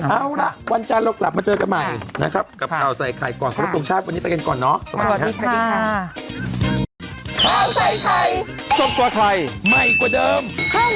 เอาล่ะวันจานลงกลับมาเจอกันใหม่นะครับกับเค้าใส่ไข่ก่อนขอบคุณตรงชาติวันนี้ไปกันก่อนเนาะสวัสดีค่ะ